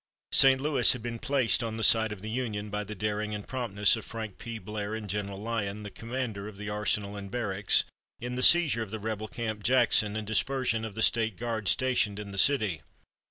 St. Louis had been placed on the side of the Union by the daring and promptness of Frank P. Blair and General Lyon, the commander of the arsenal and barracks, in the seizure of the rebel Camp Jackson, and dispersion of the State Guards stationed in the city.